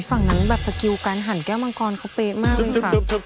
ฝั่งนั้นแบบสกิลการหั่นแก้วมังกรเขาเป๊ะมากเลยค่ะ